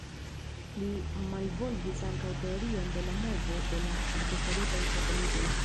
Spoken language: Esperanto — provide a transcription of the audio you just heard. Li malvolvis ankaŭ teorion de la movo de la artefaritaj satelitoj.